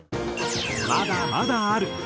まだまだある！